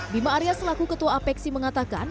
bima arya selaku ketua apeksi mengatakan